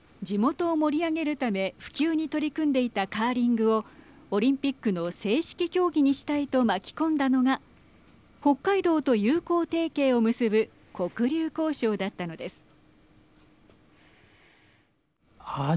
地元を盛り上げるため普及に取り組んでいたカーリングを、オリンピックの正式競技にしたいと巻き込んだのが北海道と友好提携を結ぶ黒竜江省だったのです。